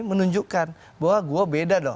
menunjukkan bahwa gue beda dong